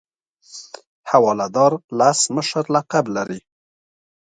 حواله دار لس مشر لقب لري.